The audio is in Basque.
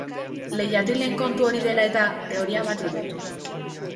Leihatilen kontu hori dela-eta, teoria bat dut.